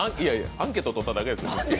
アンケート取っただけですよ。